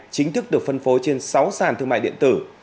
chính thức được phân phối trên sáu sàn thương mại điện tử